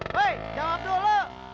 hei jawab dulu